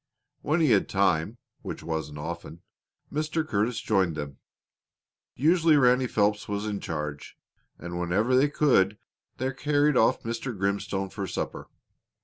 When he had time, which wasn't often, Mr. Curtis joined them. Usually Ranny Phelps was in charge, and whenever they could they carried off Mr. Grimstone for supper.